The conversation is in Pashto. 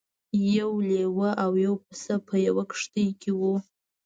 یو لیوه او یو پسه په یوه کښتۍ کې وو.